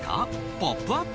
「ポップＵＰ！」